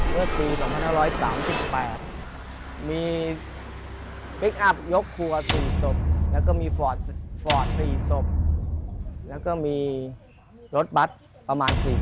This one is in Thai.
เมื่อปี๒๕๓๘มีพลิกอัพยกครัว๔ศพแล้วก็มีฟอร์ด๔ศพแล้วก็มีรถบัตรประมาณ๔๐